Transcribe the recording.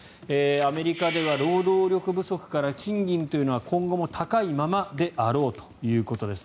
アメリカでは労働力不足から賃金というのは今後も高いままであろうということです。